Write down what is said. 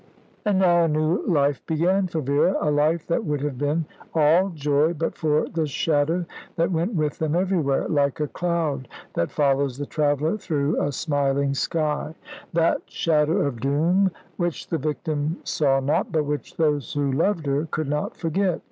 And now a new life began for Vera, a life that would have been all joy but for the shadow that went with them everywhere, like a cloud that follows the traveller through a smiling sky that shadow of doom which the victim saw not, but which those who loved her could not forget.